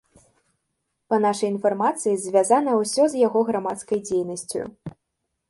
Па нашай інфармацыі, звязана ўсё з яго грамадскай дзейнасцю.